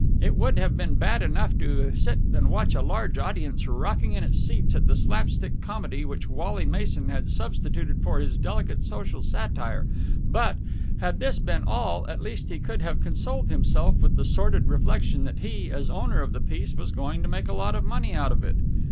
It would have been bad enough to have to sit and watch a large audience rocking in its seats at the slap stick comedy which Wally Mason had substituted for his delicate social satire: but, had this been all, at least he could have consoled himself with the sordid reflection that he, as owner of the piece, was going to make a lot of money out of it.